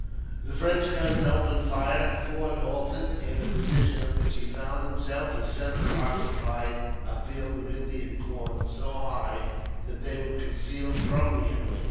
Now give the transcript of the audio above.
The French guns opened fire. Forde halted. In the position in which he found himself, his centre occupied a field of Indian corn, so high that they were concealed from the enemy.